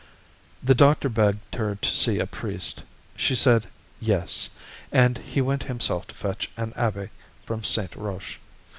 The doctor begged her to see a priest. She said "Yes," and he went himself to fetch an abbe' from Saint Roch.